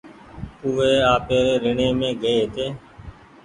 او وي آپيري ريڻي مينٚ گئي هيتي